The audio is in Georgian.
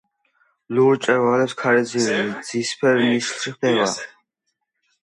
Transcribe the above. ლურჯ მწვერვალებს ქარი რძისფერ ნისლში ხვევდა.